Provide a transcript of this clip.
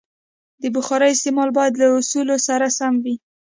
د بخارۍ استعمال باید له اصولو سره سم وي.